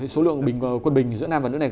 số lượng quân bình giữa nam và nữ này